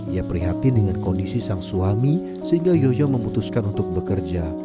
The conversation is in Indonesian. ia prihatin dengan kondisi sang suami sehingga yoyo memutuskan untuk bekerja